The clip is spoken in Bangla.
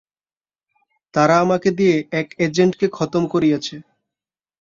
তারা আমাকে দিয়ে এক এজেন্টকে খতম করিয়েছে।